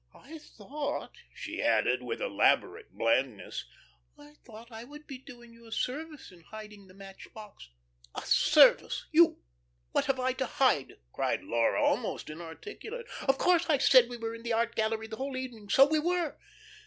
I thought," she added, with elaborate blandness, "I thought I would be doing you a service in hiding the match box." "A service! You! What have I to hide?" cried Laura, almost inarticulate. "Of course I said we were in the art gallery the whole evening. So we were.